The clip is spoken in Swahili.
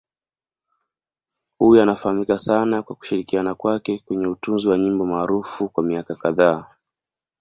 Huyu anafahamika sana kwa kushirikiana kwake kwenye utunzi wa nyimbo maarufu kwa miaka kadhaa.